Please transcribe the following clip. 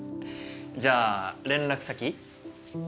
じゃあ連絡先いい？